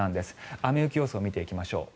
雨・雪予想を見ていきましょう。